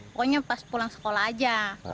pokoknya pas pulang sekolah aja